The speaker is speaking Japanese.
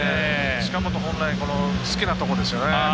近本が本来好きなところですよね。